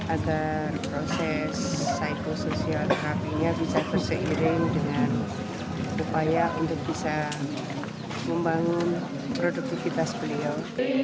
agar proses psikosoial terapinya bisa berseiring dengan upaya untuk bisa membangun produktivitas beliau